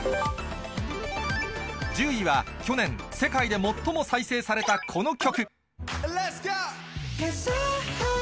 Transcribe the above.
１０位は去年、世界で最も再生されたこの曲。